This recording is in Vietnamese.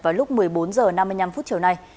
vào lúc một mươi bốn h năm mươi năm chiều nay